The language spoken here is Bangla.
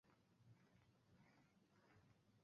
Golden Hill Kam Shan Country পার্কের ভিতরে অবস্থিত।